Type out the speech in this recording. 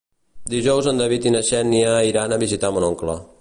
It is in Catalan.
Dijous en David i na Xènia iran a visitar mon oncle.